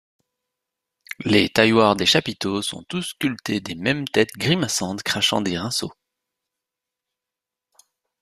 Les tailloirs des chapiteaux sont tous sculptés des mêmes têtes grimaçantes crachant des rinceaux.